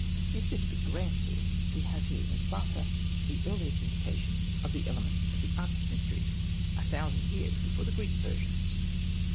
If this be granted, we have here in Bata the earliest indications of the element^ Hosted by Google REMARKS 75 of the Atys mysteries, a thousand years before the Greek versions.